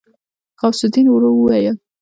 غوث الدين ورو وويل.